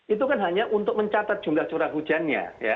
itu kan hanya untuk mencatat jumlah curah hujannya